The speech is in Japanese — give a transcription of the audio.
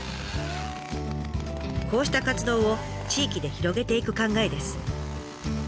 こうした活動を地域で広げていく考えです。